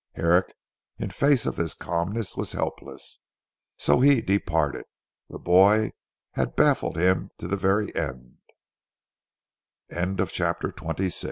Herrick, in the face of this calmness, was helpless, so he departed. The boy had baffled him to the very end. CHAPTER XXVII A FINAL